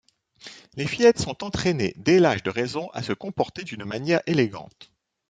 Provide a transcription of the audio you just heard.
Les fillettes sont entraînée dès l'âge de raison à se comporter d'une manière élégante.